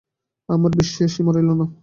আমার বিশ্বয়ের সীমা রইল না।